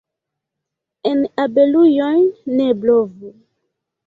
En abelujon ne blovu.